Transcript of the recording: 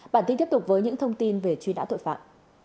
bản tin tiếp tục với những thông tin về truy nã tội phạm